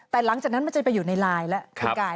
แต่หลังจากนั้นมันจะไปอยู่ในลายแล้ว